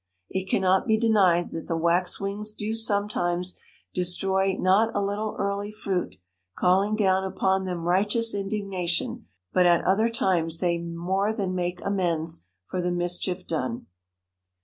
It cannot be denied that the waxwings do sometimes destroy not a little early fruit, calling down upon them righteous indignation; but at other times they more than make amends for the mischief done.